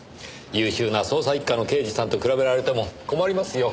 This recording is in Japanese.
優秀な捜査１課の刑事さんと比べられても困りますよ。